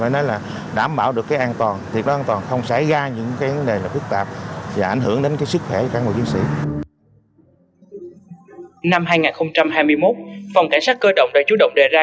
năm hai nghìn hai mươi một phòng cảnh sát cơ động đã chủ động đề ra